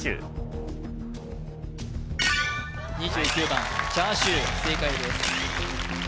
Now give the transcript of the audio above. ２９番チャーシュー正解です